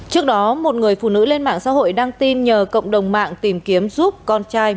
trước đó một người phụ nữ lên mạng xã hội đăng tin nhờ cộng đồng mạng tìm kiếm giúp con trai